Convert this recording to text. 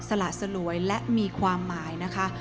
สละสลวยและมีความหมายนะคะ